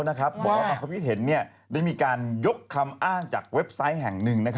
บอกว่าความคิดเห็นได้มีการยกคำอ้างจากเว็บไซต์แห่งหนึ่ง